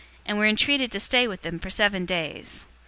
"} and were entreated to stay with them for seven days.